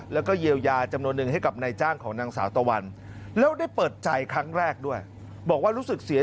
แล้วก็เยียวยาจำนวนหนึ่งให้กับนายจ้างของนางสาวตะวัล